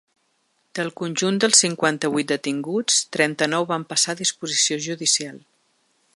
Del conjunt dels cinquanta-vuit detinguts, trenta-nou van passar a disposició judicial.